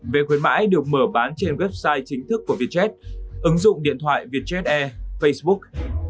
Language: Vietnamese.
vé khuyến mãi được mở bán trên website chính thức của vietjet ứng dụng điện thoại vietjet air facebook